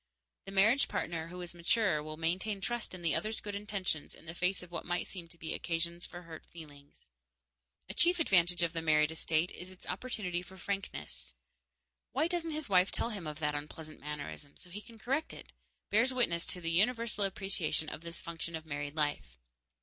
The marriage partner who is mature will maintain trust in the other's good intentions in the face of what might seem to be occasions for hurt feelings. A chief advantage of the married estate is its opportunity for frankness. "Why doesn't his wife tell him of that unpleasant mannerism, so he can correct it?" bears witness to the universal appreciation of this function of married life.